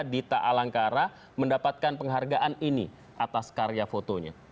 dita alangkara mendapatkan penghargaan ini atas karya fotonya